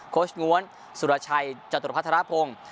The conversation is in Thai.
โค้ชง้วนสุรชัยจตุรพัฒนภพงศ์